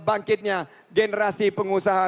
bangkitnya generasi pengusaha